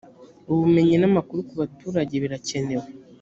ubumenyi n amakuru ku baturage birakenewe